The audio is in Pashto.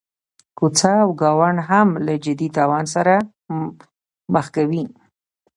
کوڅه او ګاونډ هم له جدي تاوان سره مخ کوي.